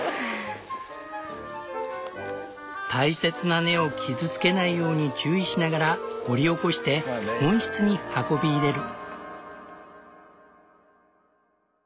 大切な根を傷つけないように注意しながら掘り起こして温室に運び入れる。